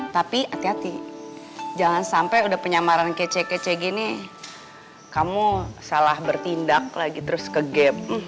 tapi hati hati jangan sampai udah penyamaran kece kece gini kamu salah bertindak lagi terus ke gap